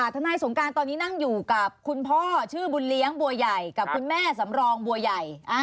ทนายสงการตอนนี้นั่งอยู่กับคุณพ่อชื่อบุญเลี้ยงบัวใหญ่กับคุณแม่สำรองบัวใหญ่